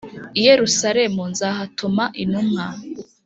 i Yerusalemu nzahatuma intumwa.